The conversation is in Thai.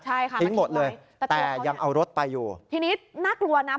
ใช่ค่ะทิ้งหมดเลยแต่ยังเอารถไปอยู่ทีนี้น่ากลัวนะ